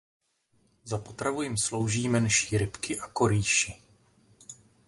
Za potravu jim slouží menší rybky a korýši.